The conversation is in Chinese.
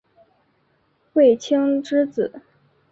卫青之子。